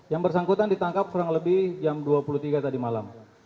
yang bersangkutan ditangkap kurang lebih jam dua puluh tiga tadi malam